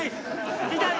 痛い！